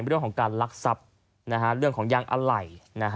เรื่องของการลักทรัพย์เรื่องของยางอะไหล่